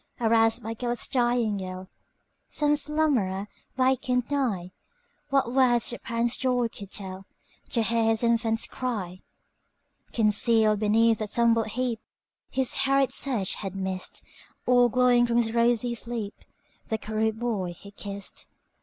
Aroused by Gêlert's dying yell, Some slumberer wakened nigh:What words the parent's joy could tellTo hear his infant's cry! Concealed beneath a tumbled heapHis hurried search had missed, All glowing from his rosy sleep, The cherub boy he kissed.